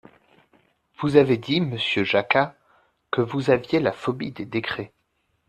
Vous avez dit, monsieur Jacquat, que vous aviez la phobie des décrets.